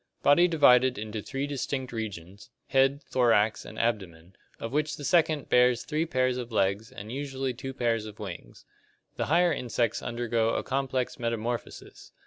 Body divided into three distinct regions: head, thorax, and abdomen, of which the second bears three pairs of legs and usually two pairs of wings. The higher insects undergo a complex metamorphosis.